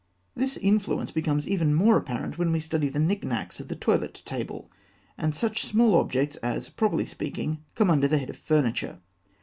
This influence becomes even more apparent when we study the knick knacks of the toilet table, and such small objects as, properly speaking, come under the head of furniture.